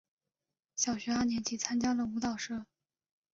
小学二年级时参加了舞蹈社。